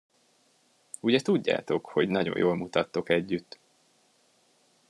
Ugye tudjátok, hogy nagyon jól mutattok együtt.